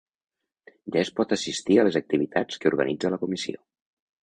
Ja es pot assistir a les activitats que organitza la comissió.